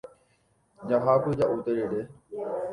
Jahápy ja'u terere